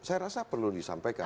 saya rasa perlu disampaikan